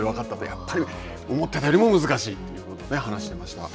やっぱり思ってたよりも難しいということで話してました。